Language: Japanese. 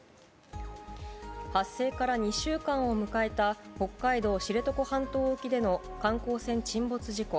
発生から２週間を迎えた、北海道知床半島沖での観光船沈没事故。